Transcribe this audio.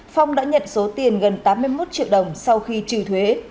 phong đã nhận số tiền gần tám mươi một triệu đồng sau khi trừ thuế